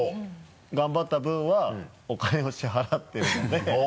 頑張った分はお金を支払ってるので。